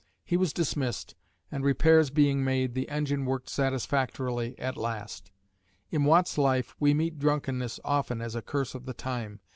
He was dismissed, and, repairs being made, the engine worked satisfactorily at last. In Watt's life, we meet drunkenness often as a curse of the time.